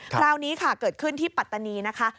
คราวนี้ค่ะเกิดขึ้นที่ปัตตานีนะคะ